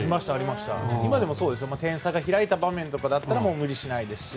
今でも点差が開いた場面なら無理しないですし。